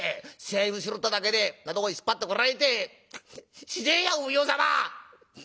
財布拾っただけでこんなとこへ引っ張ってこられてしでえやお奉行様！